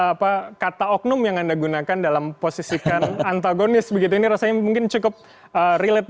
apa kata oknum yang anda gunakan dalam posisikan antagonis begitu ini rasanya mungkin cukup relate